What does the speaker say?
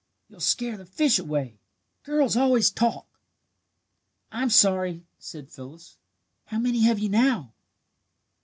You'll scare the fish away. Girls always talk." "I'm sorry," said Phyllis. "How many have you now?"